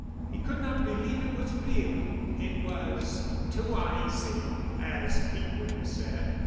He could not believe it was real. It was "too aisy," as Pete would have said.